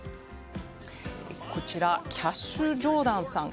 こちらキャッシュ・ジョーダンさん。